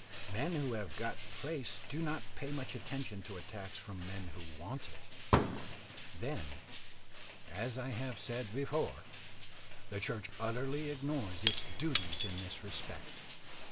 Men who have got place do not pay much attention to attacks from men who want it. Then, as I said before, the Church utterly ignores its duties in this respect.